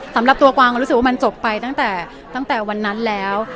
สำหรับตัวกวางก็รู้สึกว่ามันจบไปตั้งแต่วันนั้นแล้ว